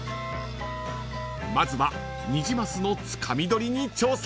［まずはニジマスのつかみ取りに挑戦］